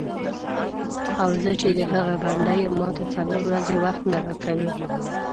او زه چې د هغه بنده یم ماته څلور ورځې وخت نه راکوې.